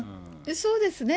そうですね。